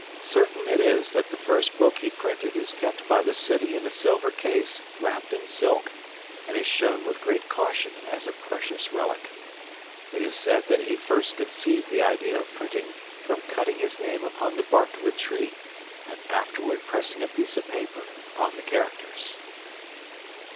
Certain it is that the first book he printed is kept by the city in a silver case wrapped in silk and is shown with great caution as a precious relic. It is said that he first conceived the idea of printing from cutting his name upon the bark of a tree and afterward pressing a piece of paper upon the characters.